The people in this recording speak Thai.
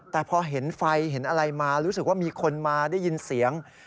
แต่พอเห็นไฟเห็นอะไรมารู้สึกว่ามีคนมาได้ยินเสียง